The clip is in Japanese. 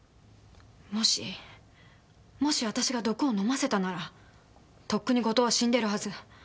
もしもし私が毒を飲ませたならとっくに後藤は死んでるはず。